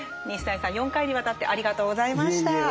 西谷さん４回にわたってありがとうございました。